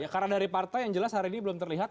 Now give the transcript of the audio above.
karena dari partai yang jelas hari ini belum terlihat